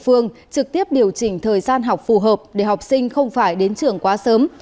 phương trực tiếp điều chỉnh thời gian học phù hợp để học sinh không phải đến trường quá sớm